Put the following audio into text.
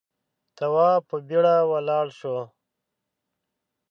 تواب په بيړه ولاړ شو.